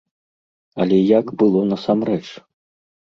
Але як было насамрэч?